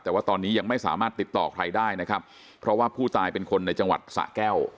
แต่ว่าตอนนี้ยังไม่สามารถติดต่อใครได้นะครับเพราะว่าผู้ตายเป็นคนในจังหวัดสะแก้ว